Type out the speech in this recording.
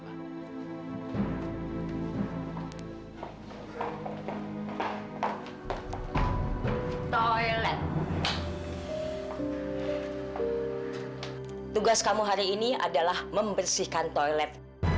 tugas kamu hari ini adalah membersihkan toilet